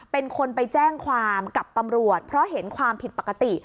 เป็นคนไปแจ้งความกับตำรวจเพราะเห็นความผิดปกติ